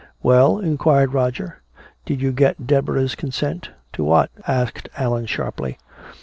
"Well?" inquired Roger. "Did you get Deborah's consent?" "To what?" asked Allan sharply.